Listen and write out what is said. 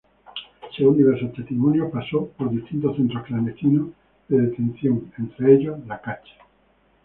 Según diversos testimonios, pasó por distintos centros clandestinos de detención, entre ellos La Cacha.